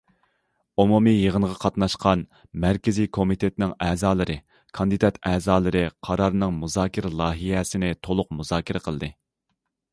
ئومۇمىي يىغىنغا قاتناشقان مەركىزىي كومىتېتنىڭ ئەزالىرى، كاندىدات ئەزالىرى قارارنىڭ مۇزاكىرە لايىھەسىنى تولۇق مۇزاكىرە قىلدى.